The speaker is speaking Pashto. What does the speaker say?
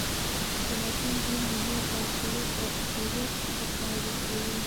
تمدن، دین، دنیا او اکثریت او اقلیت به تعریفوي.